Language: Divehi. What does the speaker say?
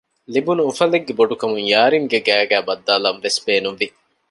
ލިބުނު އުފަލެއްގެ ބޮޑުކަމުން ޔާރިންގެ ގައިގައި ބައްދާލަންވެސް ބޭނުންވި